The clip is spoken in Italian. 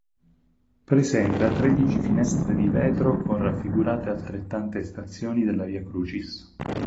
Presenta tredici finestre di vetro con raffigurate altrettante stazioni della Via Crucis.